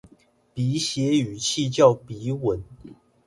筆寫語氣叫筆吻